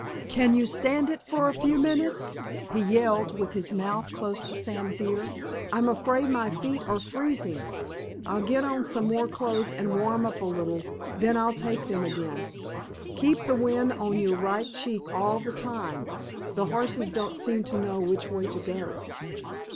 "Can you stand it for a few minutes?" he yelled, with his mouth close to Sam's ear. "I'm afraid my feet are freezing. I'll get on some more clothes and warm up a little, then I'll take them again. Keep the wind on your right cheek all the time. The horses don't seem to know which way to go."